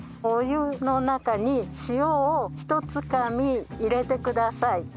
お湯の中に塩をひとつかみ入れてください。